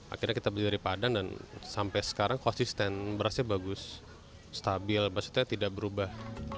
akhirnya kita berdiri padan dan sampai sekarang konsisten berasnya bagus stabil maksudnya tidak berubah